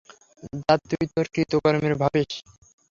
যাতে তুই তোর কৃতকর্মের ভাবিস।